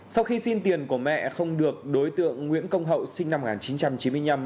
sau khi xin tiền của mẹ không được đối tượng nguyễn công hậu sinh năm một nghìn chín trăm chín mươi năm